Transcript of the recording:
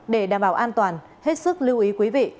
để đảm bảo an toàn hết sức lưu ý quý vị